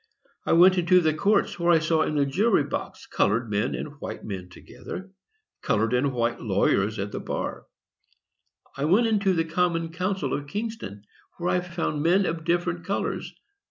I went into the courts, where I saw in the jury box colored and white men together, colored and white lawyers at the bar. I went into the Common Council of Kingston; there I found men of different colors.